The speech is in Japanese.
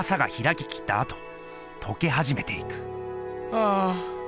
ああ。